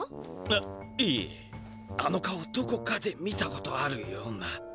あっいえあの顔どこかで見たことあるような。